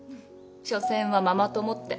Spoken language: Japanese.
しょせんはママ友って。